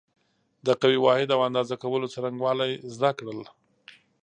د قوې واحد او اندازه کولو څرنګوالی زده کړل.